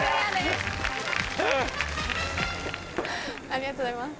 ありがとうございます。